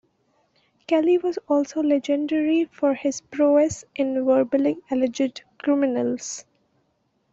Kelly was also legendary for his prowess in "verballing" alleged criminals.